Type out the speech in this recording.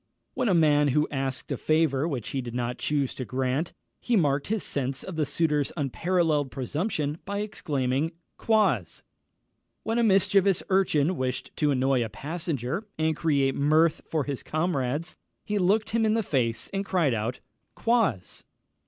When a man was asked a favour which he did not choose to grant, he marked his sense of the suitor's unparalleled presumption by exclaiming Quoz! When a mischievous urchin wished to annoy a passenger, and create mirth for his comrades, he looked him in the face, and cried out _Quoz!